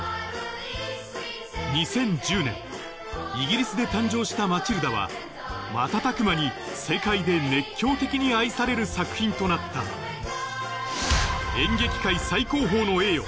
２０１０年イギリスで誕生した『マチルダ』は瞬く間に世界で熱狂的に愛される作品となった演劇界最高峰の栄誉